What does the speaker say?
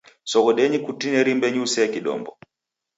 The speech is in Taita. Soghodenyi kutineri mbenyu usee kidombo.